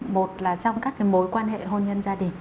một là trong các cái mối quan hệ hôn nhân gia đình